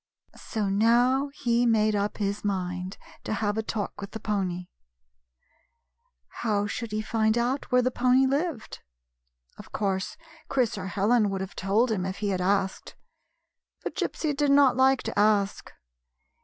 So now he made up his mind to have a talk with the pony. How should he find out where the pony lived? Of course, Chris or Helen would have told him if he had asked ; but Gypsy did not like to ask.